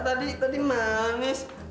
tadi tadi manis